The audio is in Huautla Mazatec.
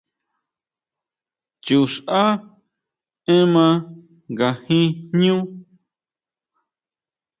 Chuxʼá énma nga jin jñú.